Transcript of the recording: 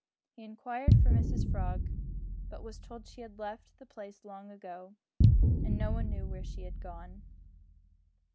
He inquired for Mrs Frog, but was told she had left the place long ago, and no one knew where she had gone.